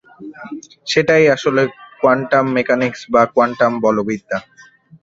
সেটাই আসলে quantum mechanics বা কোয়ান্টাম বলবিদ্যা।